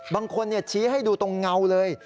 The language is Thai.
บางคนชี้ให้ดูตรงเงาเลย